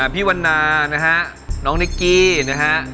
พี่วันนานะฮะน้องนิกกี้นะฮะ